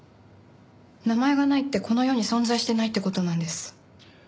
名前がないってこの世に存在してないって事なんです。